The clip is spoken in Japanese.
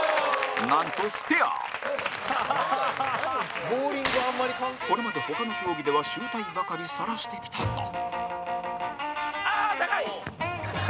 なんと、スペアこれまで、他の競技では醜態ばかり、さらしてきたが後藤：ああー、高い！